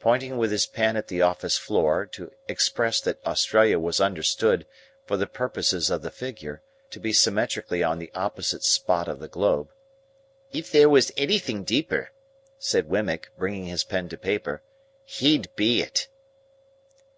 Pointing with his pen at the office floor, to express that Australia was understood, for the purposes of the figure, to be symmetrically on the opposite spot of the globe. "If there was anything deeper," added Wemmick, bringing his pen to paper, "he'd be it."